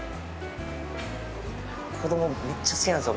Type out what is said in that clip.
子供めっちゃ好きなんですよ